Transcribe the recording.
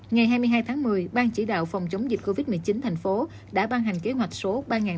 ngày hai mươi hai tháng một mươi ban chỉ đạo phòng chống dịch covid một mươi chín tp hcm đã ban hành kế hoạch số ba năm trăm hai mươi hai